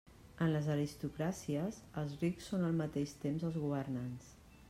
En les aristocràcies, els rics són al mateix temps els governants.